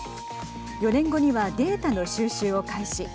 ４年後にはデータの収集を開始。